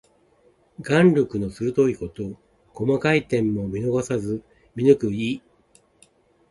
眼力の鋭いこと。細かい点も逃さず見抜く意。